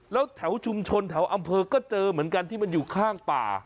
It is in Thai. แล้วแถวชุมชนแถวอำเภอก็เจอเหมือนกันที่มันอยู่ข้างป่า